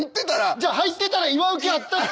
じゃあ入ってたら祝う気あったって。